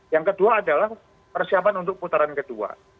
yang kedua adalah persiapan untuk putaran kedua